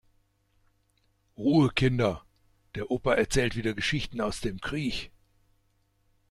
Ruhe Kinder, der Opa erzählt wieder Geschichten aus dem Krieg.